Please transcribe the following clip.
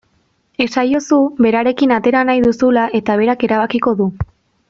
Esaiozu berarekin atera nahi duzula eta berak erabakiko du.